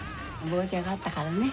棒茶があったからね。